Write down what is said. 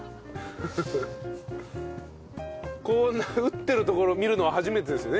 こんな打ってるところ見るのは初めてですよね？